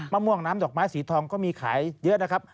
ม่วงน้ำดอกไม้สีทองก็มีขายเยอะนะครับ